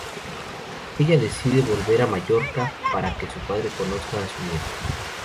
Ella decide volver a Mallorca para que su padre conozca a su nieto.